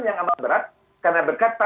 dengan cara apa